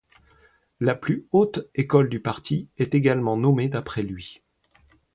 La plus haute école du parti est également nommée d'après lui.